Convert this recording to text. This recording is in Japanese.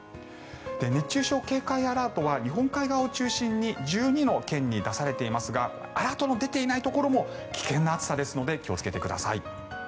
熱中症警戒アラートは日本海側を中心に１２の県に出されていますがアラートの出ていないところも危険な暑さですので気をつけてください。